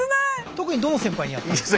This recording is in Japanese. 特にどの先輩にやったんですか？